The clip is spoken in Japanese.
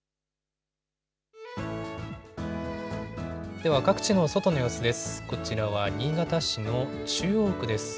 では、各地の外の様子です。